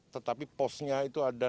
tetapi posnya itu ada enam belas